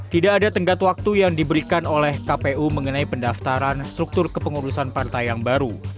tidak ada tenggat waktu yang diberikan oleh kpu mengenai pendaftaran struktur kepengurusan partai yang baru